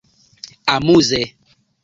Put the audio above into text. amuze